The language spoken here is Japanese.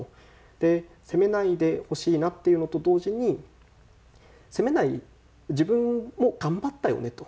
で、責めないでほしいなっていうのと同時に責めない自分も頑張ったよねと。